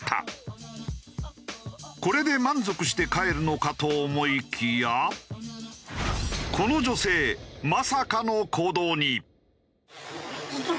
これで満足して帰るのかと思いきやこの女性はい。